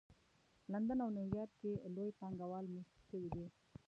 لندن او نیویارک کې لوی پانګه وال مېشت شوي دي